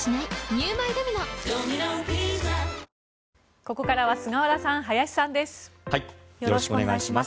ここからは菅原さん、林さんです。